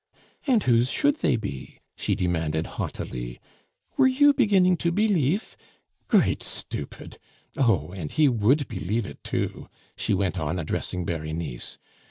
"And whose should they be?" she demanded haughtily. "Were you beginning to believe? great stupid! Oh! and he would believe it too," she went on, addressing Berenice.